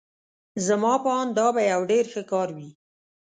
زما په آند دا به یو ډېر ښه کار وي.